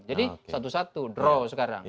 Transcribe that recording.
jadi satu satu draw sekarang